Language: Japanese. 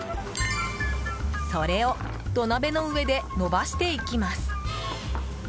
それを土鍋の上でのばしていきます。